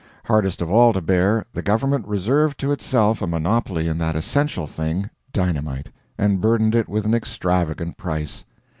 Hardest of all to bear, the government reserved to itself a monopoly in that essential thing, dynamite, and burdened it with an extravagant price.